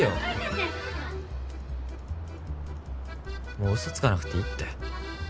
もう嘘つかなくていいって。